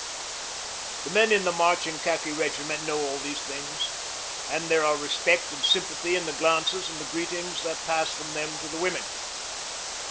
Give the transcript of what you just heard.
The men in the marching khaki regiment know all these things, and there are respect and sympathy in the glances and the greetings that pass from them to the women.